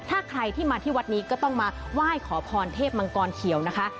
ถ้าใครที่มาที่วัดนี้ก็ต้องมาไหว้ขอพรเทพมังกรเขียวนะคะ